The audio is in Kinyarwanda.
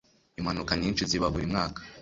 Impanuka nyinshi ziba buri mwaka.